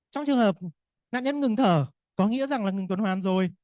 trong trường hợp nạn nhân ngừng thở có nghĩa rằng là ngừng tuần hoàn rồi